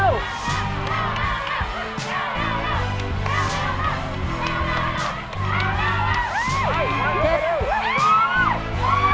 เร็วเร็วเร็ว